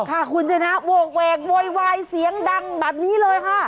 ค่ะคุณชนะโหกเวกโวยวายเสียงดังแบบนี้เลยค่ะ